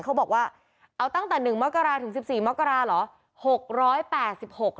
เขาบอกว่าเอาตั้งแต่๑มกราศถึง๑๔มกราเหรอ